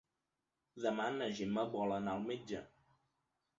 Demà na Gemma vol anar al metge.